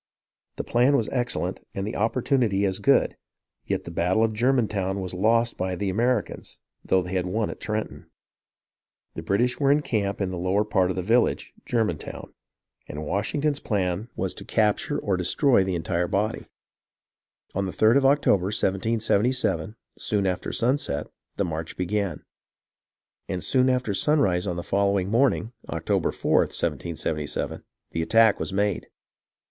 The plan was excellent and the opportunity as good ; yet the battle of Germantown was lost by the Americans, though they had won at Trenton. The British were in camp in the lower part of the vil lage (Germantown), and Washington's plan was to capture 2l8 HISTORY OF THE AMERICAN REVOLUTION or destroy the entire body. On the 3d of October, 1777, soon after sunset, the march began, and soon after sunrise on the following morning (October 4th, 1777), the attack was made.